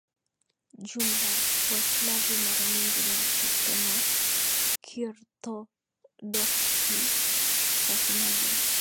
jumla Waslavi mara nyingi ni Wakristo wa Kiorthodoksi wasemaji